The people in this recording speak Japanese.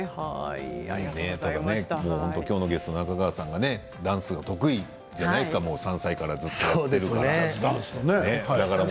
きょうのゲスト中川さんがダンスが得意じゃないですか３歳からずっとやってるから。